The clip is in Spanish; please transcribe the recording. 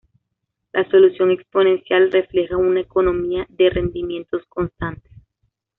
La solución exponencial refleja una economía de rendimientos constantes.